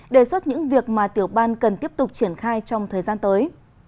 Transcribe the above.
đề xuất những việc mà tiểu ban cần tiếp tục triển khai trong thời gian tới